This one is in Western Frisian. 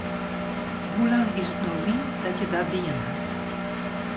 Hoe lang is it no lyn dat je dat dien ha?